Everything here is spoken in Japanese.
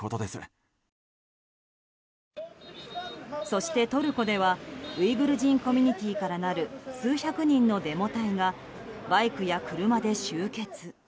そしてトルコでは、ウイグル人コミュニティーからなる数百人のデモ隊がバイクや車で集結。